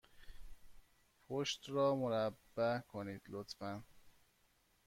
پشت را مربع کنید، لطفا.